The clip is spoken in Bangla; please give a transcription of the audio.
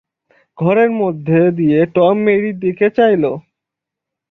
ঘরের মধ্যে দিয়ে টম মেরির দিকে চাইল।